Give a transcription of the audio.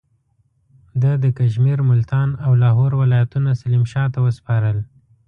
ده د کشمیر، ملتان او لاهور ولایتونه سلیم شاه ته وسپارل.